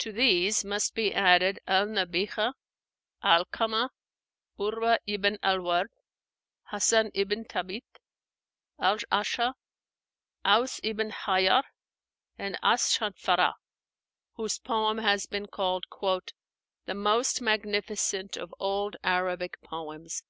To these must be added al Nabighah, 'Alkamah, Urwa ibn al Ward, Hássan ibn Thábit, al A'sha, Aus ibn Hájar, and as Shánfarah, whose poem has been called "the most magnificent of old Arabic poems."